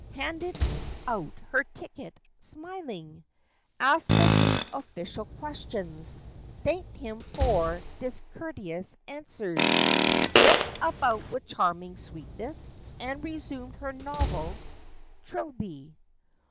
Handed out her ticket, smiling; Asked the rude official questions, Thanked him for discourteous answers; Looked about with charming sweetness, And resumed her novel—Trilby.